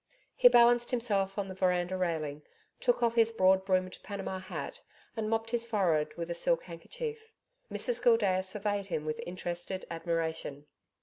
He balanced himself on the veranda railing: took off his broad brimmed Panama hat and mopped his forehead with a silk handkerchief. Mrs Gildea surveyed him with interested admiration.